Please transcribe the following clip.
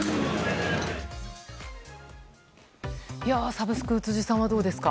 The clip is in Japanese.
サブスク、辻さんはどうですか。